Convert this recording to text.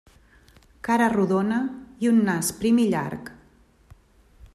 Cara rodona i un nas prim i llarg.